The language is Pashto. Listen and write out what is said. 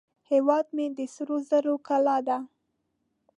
هیواد مې د سرو زرو کلاه ده